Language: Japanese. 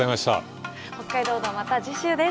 「北海道道」また次週です。